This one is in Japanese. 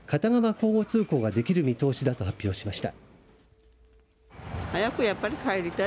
交互通行ができる見通しだと発表しました。